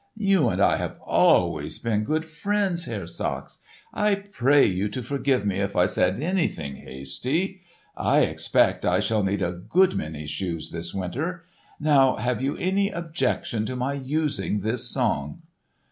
"You and I have always been good friends, Herr Sachs. I pray you to forgive me if I said anything hasty. I expect I shall need a good many shoes this winter. Now have you any objection to my using this song?"